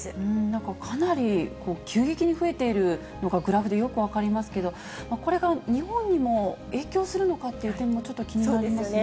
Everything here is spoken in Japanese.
なんかかなり急激に増えているのが、グラフでよく分かりますけど、これが日本にも影響するのかというのがちょっと気になりますよね。